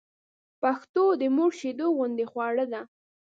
پښتو د مور شېدو غوندې خواړه ده